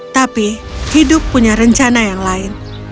tapi hidup punya rencana yang lain